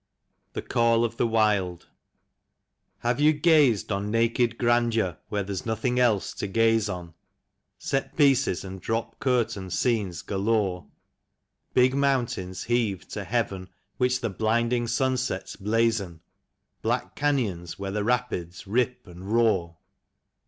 19 THE CALL OF THE WILD. Have you gazed on naked grandeur where there's noth ing else to gaze on, Set pieces and drop curtain scenes galore, Big mountains heaved to heaven, which the blinding sunsets blazon, Black canyons where the rapids rip and roar